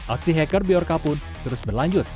aksi hacker biorca pun terus berlanjut